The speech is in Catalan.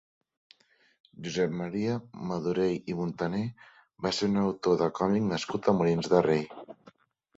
Josep Maria Madorell i Muntané va ser un autor de còmic nascut a Molins de Rei.